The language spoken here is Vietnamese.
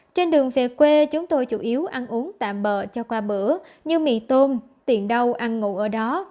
trên đường về quê chúng tôi chủ yếu ăn uống tạm bờ cho qua bữa như mì tôm tiền đâu ăn ngủ ở đó